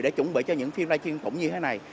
để chuẩn bị cho những phiên livestream cũng như thế này